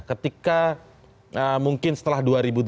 ketika mungkin setelah dua ribu delapan belas